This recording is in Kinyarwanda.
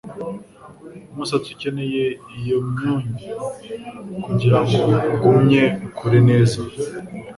umusatsi ukeneye iyo myunyu kugirango ugumye ukure neza